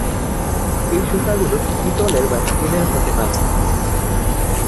এই সুতাগুলো পিতলের বা স্টিলের হতে পারে।